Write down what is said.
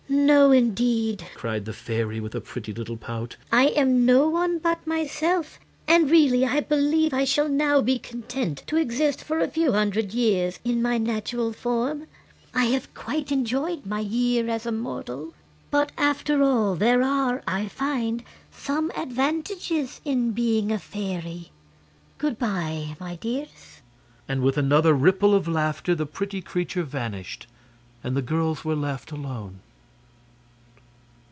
"No, indeed!" cried the fairy, with a pretty little pout. "I am no one but myself; and, really, I believe I shall now be content to exist for a few hundred years in my natural form. I have quite enjoyed my year as a mortal; but after all there are, I find, some advantages in being a fairy. Good by, my dears!" And with another ripple of laughter the pretty creature vanished, and the girls were left alone.